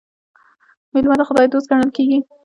میلمه د خدای دوست ګڼل کیږي.